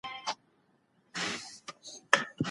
خپلو اخلاقو ته جدي پام وکړئ.